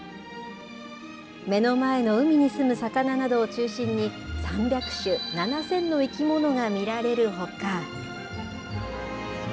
目の前の海に住む魚などを中心に、３００種７０００の生き物が見られるほか。